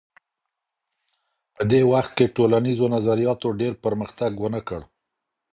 په دې وخت کي ټولنیزو نظریاتو ډېر پرمختګ ونه کړ.